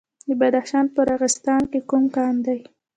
د بدخشان په راغستان کې کوم کان دی؟